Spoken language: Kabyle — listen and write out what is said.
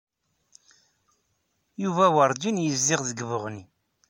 Yuba werjin yezdiɣ deg Buɣni.